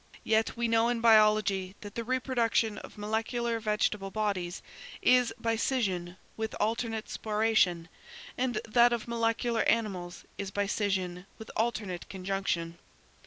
Yet we know in biology that the reproduction of molecular vegetable bodies is by scission with alternate sporation, and that of molecular animals is by scission with alternate conjunction.